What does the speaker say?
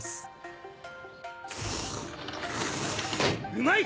・うまい！